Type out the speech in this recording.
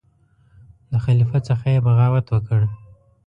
د خلیفه څخه یې بغاوت وکړ.